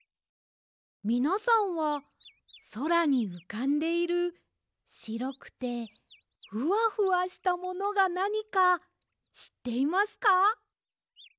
みなさんはそらにうかんでいるしろくてフワフワしたものがなにかしっていますか？